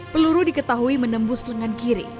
peluru diketahui menembus lengan kiri